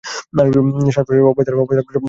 শ্বাসপ্রশ্বাসের অভ্যাস দ্বারা প্রচুর উপকার হইবে।